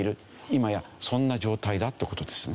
今やそんな状態だって事ですね。